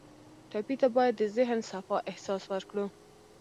ټپي ته باید د ذهن صفا احساس ورکړو.